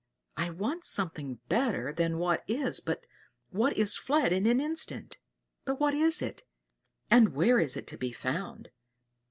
I want something better than what is but what is fled in an instant. But what is it, and where is it to be found?